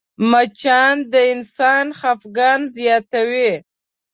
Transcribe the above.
مچان د انسان خفګان زیاتوي